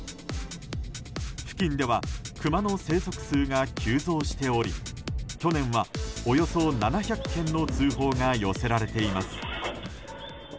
付近ではクマの生息数が急増しており去年はおよそ７００件の通報が寄せられています。